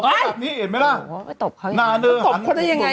แบบนี้เห็นไหมล่ะโอ้โหไม่ตบเขาหน้าเนื้อหันตบเขาได้ยังไงอ่ะ